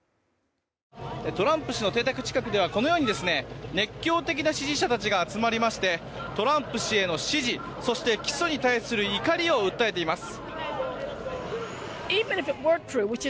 トランプ氏の邸宅近くではこのように熱狂的な支持者たちが集まりましてトランプ氏への支持そして起訴に対する怒りを訴えています。